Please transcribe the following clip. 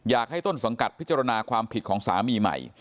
อยากให้ต้นสังกัดพิจารณาความผิดของสามีใหม่